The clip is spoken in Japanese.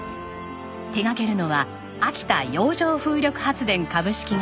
手掛けるのは秋田洋上風力発電株式会社。